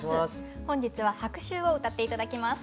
本日は「白秋」を歌って頂きます。